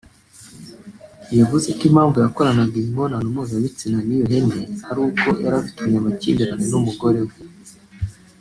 yavuze ko impamvu yakoranaga imibonano mpuzabitsina n’iyo hene ari uko yari afitanye amakimbirane n’umugore we